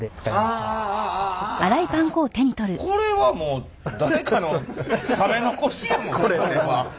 これはもう誰かの食べ残しやもん。